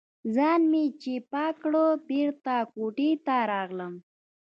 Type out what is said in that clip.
ځان مې چې پاک کړ، بېرته کوټې ته راغلم.